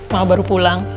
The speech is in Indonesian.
malah baru pulang